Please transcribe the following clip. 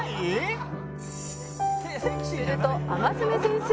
えっ！